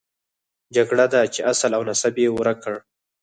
جګړه ده چې اصل او نسب یې ورک کړ.